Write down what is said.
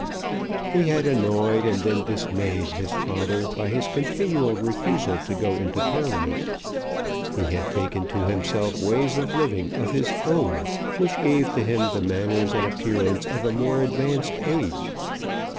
He had annoyed, and then dismayed, his father by his continued refusal to go into Parliament. He had taken to himself ways of living of his own, which gave to him the manners and appearance of more advanced age.